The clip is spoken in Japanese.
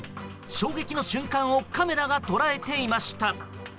衝撃の瞬間をカメラが捉えていました。